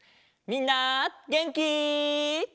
みんなげんき？